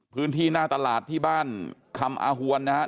หน้าตลาดที่บ้านคำอาหวนนะครับ